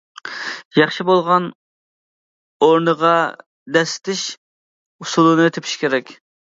ياخشى بولغان ئورنىغا دەسسىتىش ئۇسۇلىنى تېپىش كېرەك.